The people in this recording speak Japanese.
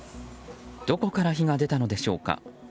どこから火が出たのでしょうか。